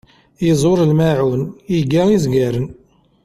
Yezzwer lmaεun, yegga izgaren.